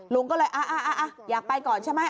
ลุงก็เลยอยากไปก่อนใช่ไหม